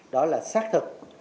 đó là xác thực